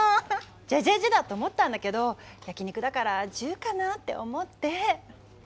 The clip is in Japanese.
「じぇじぇじぇ」だと思ったんだけど焼き肉だから「じゅ」かなって思って。